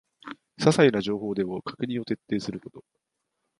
ささいな情報でも確認を徹底すること